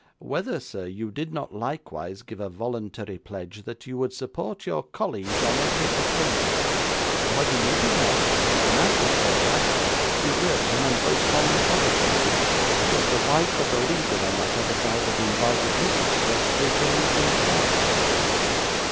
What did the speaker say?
Whether, sir, you did not likewise give a voluntary pledge that you would support your colleague on every occasion; and whether you did not, the night before last, desert him and vote upon the other side, because the wife of a leader on that other side had invited Mrs. Gregsbury to an evening party?